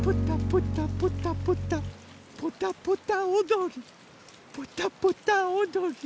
ポタポタおどり。